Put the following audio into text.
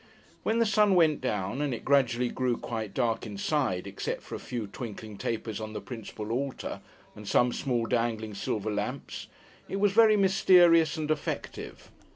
When the sun went down, and it gradually grew quite dark inside, except for a few twinkling tapers on the principal altar, and some small dangling silver lamps, it was very mysterious and effective.